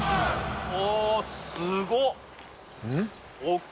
おおすごっ！